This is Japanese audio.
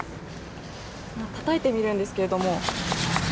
たたいてみるんですけれども。